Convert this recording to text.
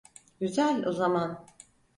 Güzel o zaman.